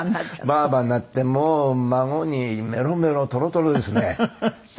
ばあばになってもう孫にメロメロトロトロですね。